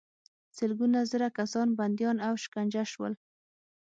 سلګونه زره کسان بندیان او شکنجه شول.